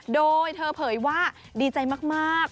โดยเธอเผยว่าดีใจมาก